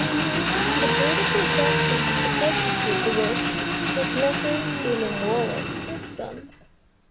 The builder contracted to execute the work was Messrs William Wallace and Son.